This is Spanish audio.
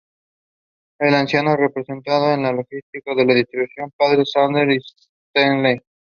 El anciano representado en el logotipo es el difunto padre de Sandler, Stanley.